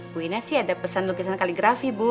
bu ina sih ada pesan lukisan kaligrafi bu